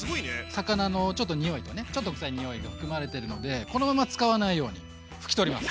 魚のちょっとにおいとねちょっとくさいにおいが含まれてるのでこのまま使わないように拭き取ります。